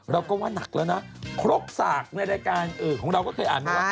ว่านักแล้วนะครบสากในรายการของเราก็เคยอ่านมาว่า